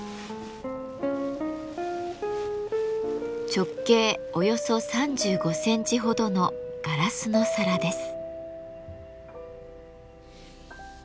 直径およそ３５センチほどのガラスの皿です。